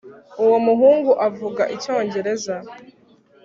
uwo muhungu avuga icyongereza